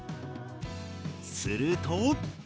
すると。